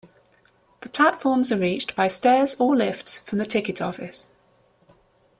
The platforms are reached by stairs or lifts from the ticket office.